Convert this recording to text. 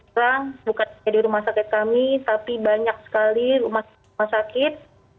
sekarang bukan hanya di rumah sakit kami tapi banyak sekali rumah sakit